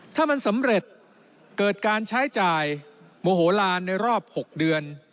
ถ้ามันสำเร็จเกิดการใช้จ่ายโมโหลานในรอบ๖เดือน